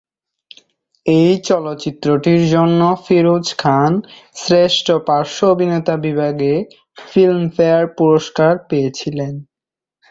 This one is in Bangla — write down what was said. এই চলচ্চিত্রটির জন্য ফিরোজ খান শ্রেষ্ঠ পার্শ্ব অভিনেতা বিভাগে ফিল্মফেয়ার পুরস্কার পেয়েছিলেন।